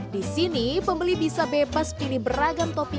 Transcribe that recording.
di sini pembeli bisa bebas pilih beragam topping